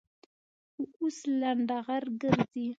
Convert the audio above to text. خو اوس لنډغر گرځي.